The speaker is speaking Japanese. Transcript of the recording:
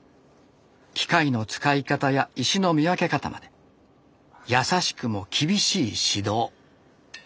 機械の使い方や石の見分け方まで優しくも厳しい指導。